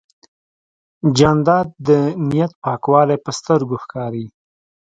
جانداد د نیت پاکوالی په سترګو ښکاري.